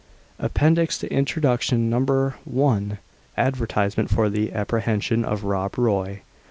APPENDIX TO INTRODUCTION. No. I. ADVERTISEMENT FOR THE APPREHENSION OF ROB ROY.